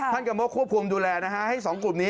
ท่านกระโมกควบควมดูแลนะฮะให้สองกลุ่มนี้